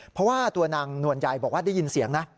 เพราะว่าตัวนางนวลใยบอกว่าได้ยินเสียงนะ